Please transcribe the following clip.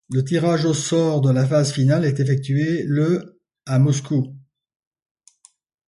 Le tirage au sort de la phase finale est effectué le à Moscou.